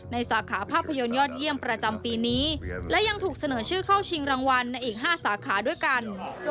สาขาภาพยนตร์ยอดเยี่ยมประจำปีนี้และยังถูกเสนอชื่อเข้าชิงรางวัลในอีก๕สาขาด้วยกัน